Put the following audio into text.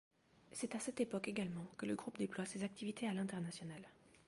C’est à cette époque également que le groupe déploie ses activités à l’international.